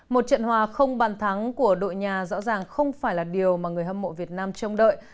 một trận hòa không bàn thắng của đội nhà rõ ràng không phải là điều mà người hâm mộ việt nam trông đợi